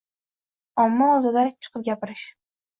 Omma oldida chiqib gapirish.